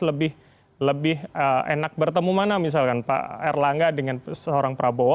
lebih lebih enak bertemu mana misalkan pak erlangga dengan seorang prabowo